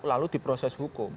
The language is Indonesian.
lalu diproses hukum